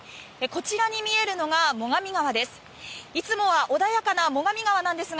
こちらに見えるのが最上川です。